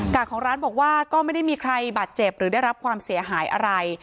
ของร้านบอกว่าก็ไม่ได้มีใครบาดเจ็บหรือได้รับความเสียหายอะไร